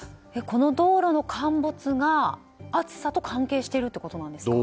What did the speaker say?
この道路の陥没が暑さと関係してるってことなんですか。